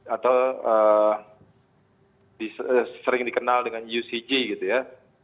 atau sering dikenal dengan ucg gitu ya